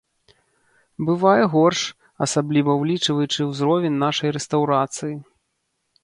Бывае горш, асабліва ўлічваючы ўзровень нашай рэстаўрацыі.